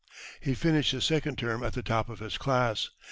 He finished his second term at the top of his class.